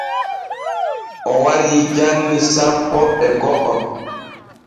O warii janni sappo e go’o.